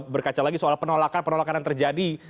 berkaca lagi soal penolakan penolakan yang terjadi